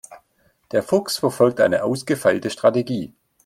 Der Fuchs verfolgt eine ausgefeilte Strategie.